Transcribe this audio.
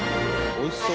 おいしそう。